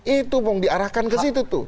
itu bung diarahkan ke situ tuh